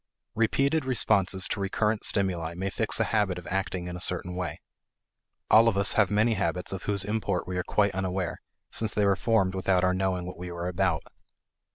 Repeated responses to recurrent stimuli may fix a habit of acting in a certain way. All of us have many habits of whose import we are quite unaware, since they were formed without our knowing what we were about.